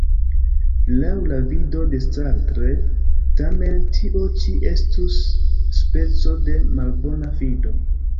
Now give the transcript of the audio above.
Laŭ la vido de Sartre, tamen, tio ĉi estus speco de malbona fido.